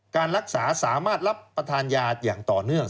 การรักษาสามารถรับประทานยาอย่างต่อเนื่อง